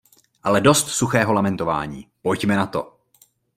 Ale dost suchého lamentování, pojďme na to!!!